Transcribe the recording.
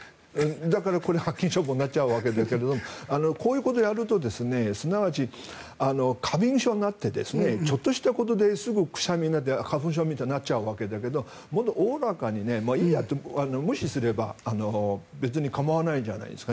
だからこれは発禁処分になっちゃうわけですがこういうことをやるとすなわち過敏症になってちょっとしたことですぐくしゃみが出たり花粉症みたいになっちゃうんだけどもっとおおらかにいいやと無視すれば別に構わないじゃないですか。